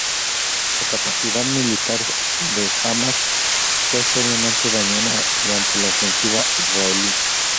La capacidad militar de Hamás fue seriamente dañada durante la ofensiva israelí.